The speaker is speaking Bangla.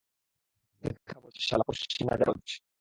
মিথ্যা বলছিস, শালা পশ্চিমা জারজ!